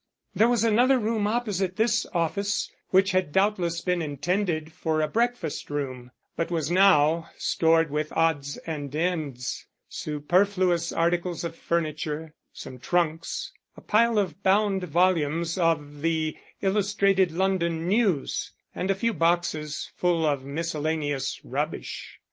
There was another room opposite this office which had doubtless been intended for a breakfast room, but was now stored with odds and ends: superfluous articles of furniture, some trunks, a pile of bound volumes of the Illustrated London News, and a few boxes full of miscellaneous rubbish.